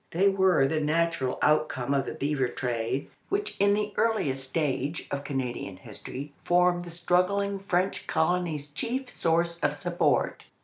They were the natural outcome of the beaver trade, which in the earliest stage of Canadian history formed the struggling French colony's chief source of support.